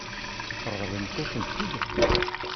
Ṛeḍlent-as-ten-id?